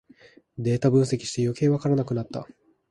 データ分析してよけいわからなくなった